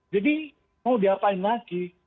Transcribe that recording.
jadi mau diapain lagi